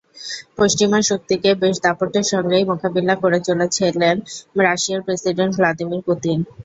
পশ্চিমা শক্তিকে বেশ দাপটের সঙ্গেই মোকাবিলা করে চলছিলেন রাশিয়ার প্রেসিডেন্ট ভ্লাদিমির পুতিন।